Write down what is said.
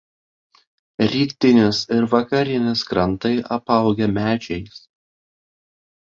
Rytinis ir vakarinis krantai apaugę medžiais.